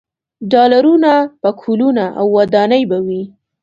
ډالرونه، پکولونه او ودانۍ به وي.